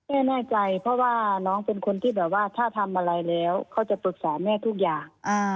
แน่ใจเพราะว่าน้องเป็นคนที่แบบว่าถ้าทำอะไรแล้วเขาจะปรึกษาแม่ทุกอย่าง